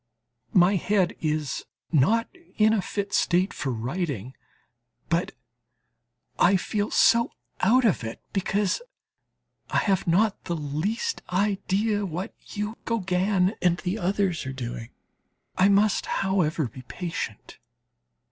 My head is not in a fit state for writing, but I feel so out of it because I have not the least idea what you, Gauguin and the others are doing. I must, however, be patient.